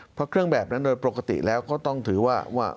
เพราะเครื่องแบบนั้นโดยปกติแล้วก็ต้องถือว่า